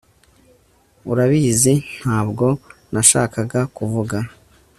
urabizi ntabwo nashakaga kuvuga